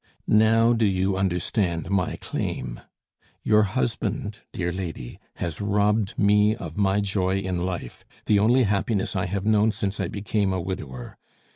"Now, do you understand my claim? Your husband, dear lady, has robbed me of my joy in life, the only happiness I have known since I became a widower.